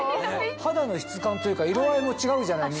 肌の質感というか色合いも違うじゃない